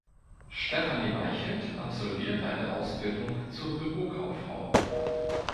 Stefanie Weichelt absolvierte eine Ausbildung zur Bürokauffrau.